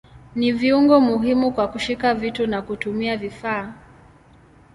Ni viungo muhimu kwa kushika vitu na kutumia vifaa.